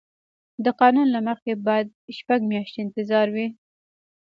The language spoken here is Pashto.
د قانون له مخې باید شپږ میاشتې انتظار وي.